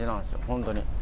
本当に。